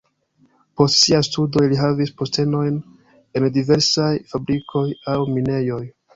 Post siaj studoj li havis postenojn en diversaj fabrikoj aŭ minejoj.